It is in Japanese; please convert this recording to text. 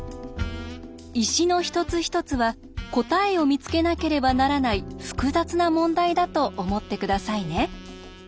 石の一つ一つは答えを見つけなければならない複雑な問題だと思って下さいね。